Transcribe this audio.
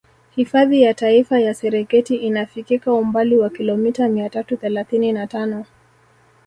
Hifadhi ya Taifa ya Serengeti inafikika umbali wa kilomita mia tatu thelathini na tano